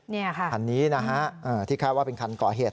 นี่ค่ะคันนี้นะฮะที่คาดว่าเป็นคันก่อเหตุ